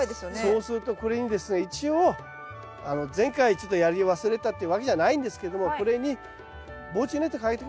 そうするとこれにですね一応前回ちょっとやり忘れたっていうわけじゃないんですけどもこれに防虫ネットかけとけば大丈夫です。